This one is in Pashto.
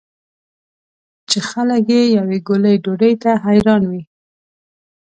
چې خلک یې یوې ګولې ډوډۍ ته حیران وي.